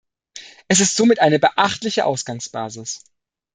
Er ist somit eine beachtliche Ausgangsbasis.